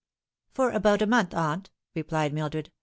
" For about a month, aunt," replied Mildred.